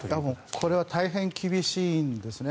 これは大変厳しいんですね。